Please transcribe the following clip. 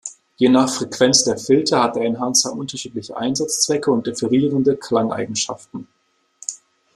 Je nach Frequenz der Filter hat der Enhancer unterschiedliche Einsatzzwecke und differierende Klangeigenschaften.